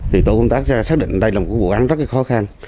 thì tổ công tác xác định đây là một vụ ăn rất là khó khăn